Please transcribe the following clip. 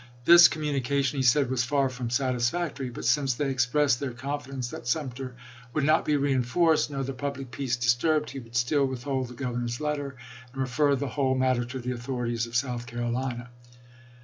This communication, he said, was far from satisfactory. But since they expressed their con JtJSHjSf fidence that Sumter would not be reenforced, nor HoueeRe the public peace disturbed, he would still with 2dr8eaSon,' hold the Governor's letter, "and refer the whole gress,^0" }. matter to the authorities of South Carolina."